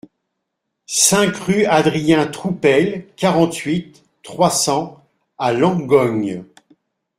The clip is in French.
cinq rue Adrien Troupel, quarante-huit, trois cents à Langogne